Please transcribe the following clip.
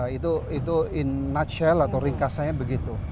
itu in nutshell atau ringkasanya begitu